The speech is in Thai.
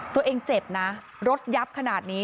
ตัวเองเจ็บนะรถยับขนาดนี้